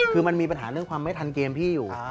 คือมันมีปัญหาเรื่องความไม่ทันเกมพี่อยู่